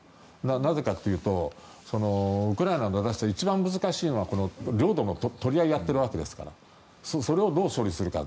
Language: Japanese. なぜかというとウクライナが私は一番難しいのはこの領土の取り合いをやっているわけですからそれをどう処理するか。